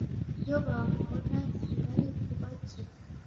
ibyo bambona sinari kubakira.